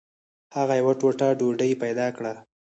هغه یوه ټوټه ډوډۍ پیدا کړه.